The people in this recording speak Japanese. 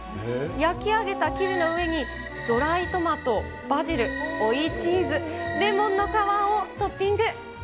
焼き上げた生地の上にドライトマト、バジル、追いチーズ、レモンの皮をトッピング。